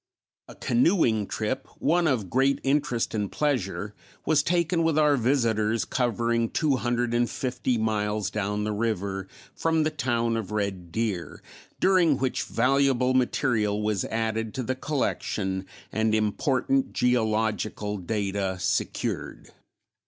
A canoeing trip, one of great interest and pleasure, was taken with our visitors covering two hundred and fifty miles down the river from the town of Red Deer, during which valuable material was added to the collection and important geological data secured.